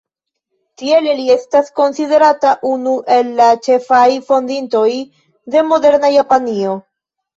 Tiele li estas konsiderata unu el la ĉefaj fondintoj de moderna Japanio.